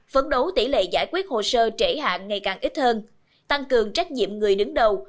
phấn đấu tỷ lệ giải quyết hồ sơ trễ hạn ngày càng ít hơn tăng cường trách nhiệm người đứng đầu